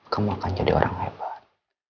kamu akan jadi orang hebat